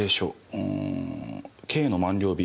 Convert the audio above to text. うーん「刑の満了日